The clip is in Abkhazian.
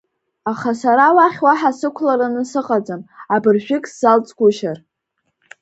Аха сара уахь уаҳа сықәлараны сыҟаӡам, абыржәык сзалҵгәышьар…